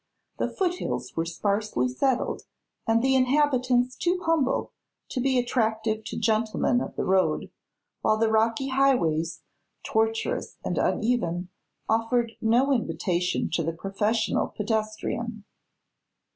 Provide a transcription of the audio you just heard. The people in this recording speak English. The foothills were sparsely settled and the inhabitants too humble to be attractive to gentlemen of the road, while the rocky highways, tortuous and uneven, offered no invitation to the professional pedestrian.